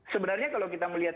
sebenarnya kalau kita melihat